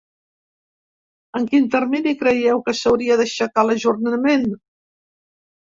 En quin termini creieu que s’hauria d’aixecar l’ajornament?